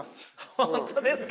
本当ですか？